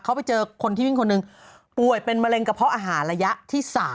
เขาไปเจอคนที่วิ่งคนหนึ่งป่วยเป็นมะเร็งกระเพาะอาหารระยะที่๓